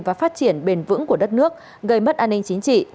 và phát triển bền vững của đất nước gây mất an ninh chính trị